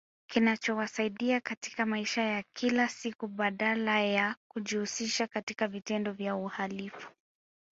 Kinachowasaidia katika maisha ya kila siku badala ya kujihusisha katika vitendo vya uhalifu